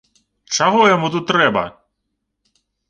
Чаго яму тут трэба?